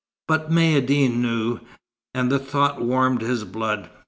But Maïeddine knew, and the thought warmed his blood.